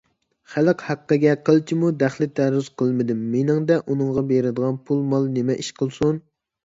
خەلق ھەققىگە قىلچىمۇ دەخلى - تەرۇز قىلمىدىم، مېنىڭدە ئۇنىڭغا بېرىدىغان پۇل - مال نېمە ئىش قىلسۇن؟